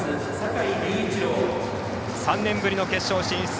３年ぶりの決勝進出。